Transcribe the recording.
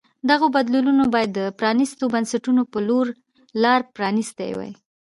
دغو بدلونونو باید د پرانیستو بنسټونو په لور لار پرانیستې وای.